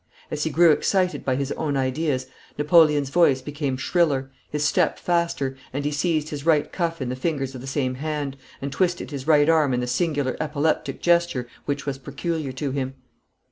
As he grew excited by his own ideas, Napoleon's voice became shriller, his step faster, and he seized his right cuff in the fingers of the same hand, and twisted his right arm in the singular epileptic gesture which was peculiar to him.